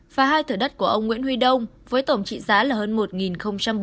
và hai thửa đất của ông nguyễn huy đông với tổng trị giá là hơn một bốn tỷ đồng